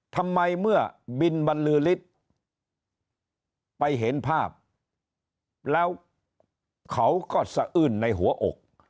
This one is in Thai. ทำไมเมื่อบินบรรลือฤทธิ์ไปเห็นภาพแล้วเขาก็สะอื้นในหัวอก